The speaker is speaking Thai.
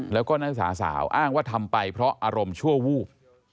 แล้วก็นักศึกษาสาวอ้างว่าทำไปเพราะอารมณ์ชั่ววูบ